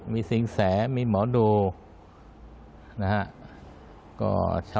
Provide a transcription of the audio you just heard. มีสินแสมีหมอดูนะฮะ